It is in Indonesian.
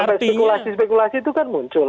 nah spekulasi spekulasi itu kan muncul